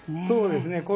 そうですね